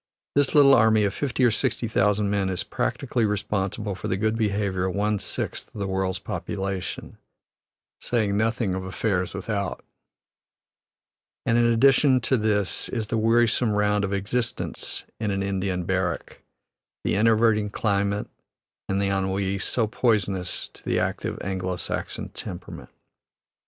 This little army of fifty or sixty thousand men is practically responsible for the good behavior of one sixth of the world's population, saying nothing of affairs without. And in addition to this is the wearisome round of existence in an Indian barrack, the enervating climate and the ennui, so poisonous to the active Anglo Saxon temperament.